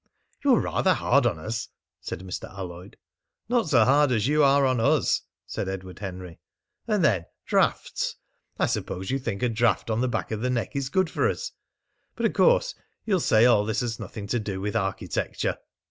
"You're rather hard on us," said Mr. Alloyd. "Not so hard as you are on us!" said Edward Henry. "And then draughts! I suppose you think a draught on the back of the neck is good for us! ... But of course you'll say all this has nothing to do with architecture!"